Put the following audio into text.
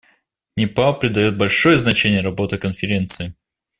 Непал придает большое значение работе Конференции.